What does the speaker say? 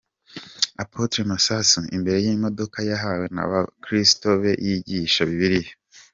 Apotre Masasu imbere y'imodoka yahawe n'abakristo be yigisha Bibiliya.